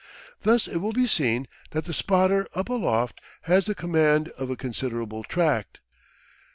Thus it will be seen that the "spotter" up aloft has the command of a considerable tract.